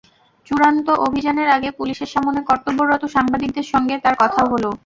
চূড়ান্ত অভিযানের আগে পুলিশের সামনে কর্তব্যরত সাংবাদিকদের সঙ্গে তাঁর কথাও হলো।